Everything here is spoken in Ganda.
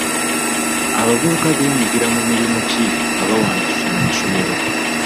Abavubuka beenyigira mu mirimu ki nga bawanduse mu masomero?